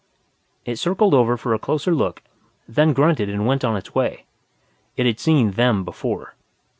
It circled over for a closer look, then grunted and went on its way. It had seen them before.